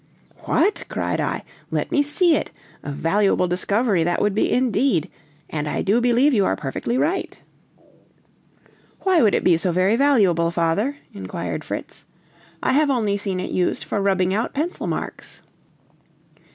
"What!" cried I; "let me see it! a valuable discovery that would be, indeed; and I do believe you are perfectly right!" "Why would it be so very valuable, father?" inquired Fritz. "I have only seen it used for rubbing out pencil marks."